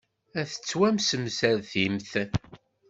Ad tettwassemsertimt.